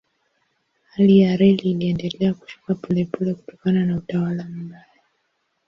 Hali ya reli iliendelea kushuka polepole kutokana na utawala mbaya.